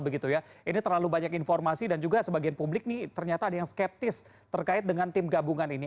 ini terlalu banyak informasi dan juga sebagian publik ini ternyata ada yang skeptis terkait dengan tim gabungan ini